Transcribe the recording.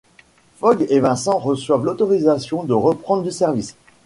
Fogg et Vincent reçoivent l'autorisation de reprendre du service.